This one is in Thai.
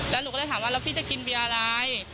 แล้วหนูก็เลยถามว่าแล้วพี่จะกินเบียร์อะไร